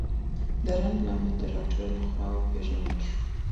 د رنځ لامل د ډاکټر لخوا وپېژندل سو.